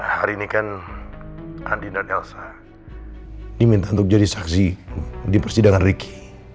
hari ini kan andi dan elsa diminta untuk jadi saksi di persidangan ricky